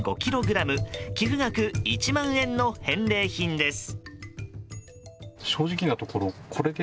寄付額１万円の返礼品です。